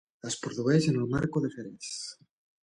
Es produeix en el Marco de Jerez.